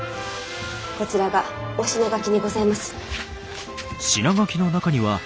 こちらがおしながきにございます。